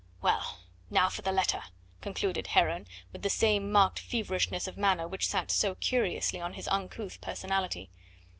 "Well, now for the letter," concluded Heron with the same marked feverishness of manner which sat so curiously on his uncouth personality.